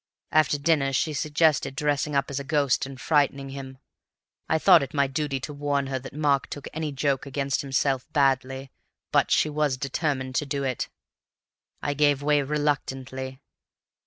After dinner she suggested dressing up as a ghost and frightening him. I thought it my duty to warn her that Mark took any joke against himself badly, but she was determined to do it. I gave way reluctantly.